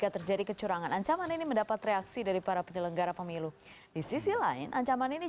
terima kasih sudah di sini